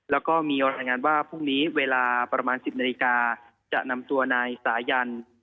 แล้วก็มีรายงานว่าพรุ่งนี้เวลาประมาณ๑๐นาฬิกาจะนำตัวนายสายัน